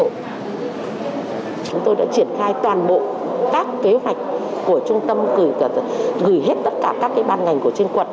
chúng tôi đã triển khai toàn bộ các kế hoạch của trung tâm gửi hết tất cả các ban ngành của trên quận